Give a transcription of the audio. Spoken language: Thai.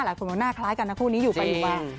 หลายคนบอกหน้าคล้ายกันนะคู่นี้อยู่ไปอยู่มา